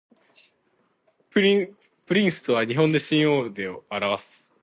プリンスとは日本では親王を表す